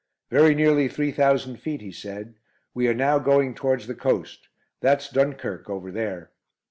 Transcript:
"Very nearly three thousand feet," he said. "We are now going towards the coast. That's Dunkirk over there."